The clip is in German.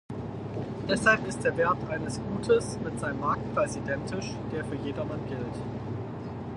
Deshalb ist der Wert eines Gutes mit seinem Marktpreis identisch, der für jedermann gilt.